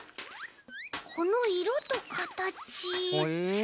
このいろとかたち。